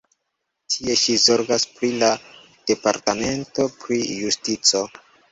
Tie ŝi zorgas pri la Departamento pri Justico.